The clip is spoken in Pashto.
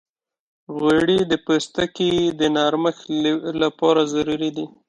غوړې د پوستکي د نرمښت لپاره ضروري دي.